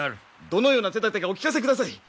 どのような手だてかお聞かせください。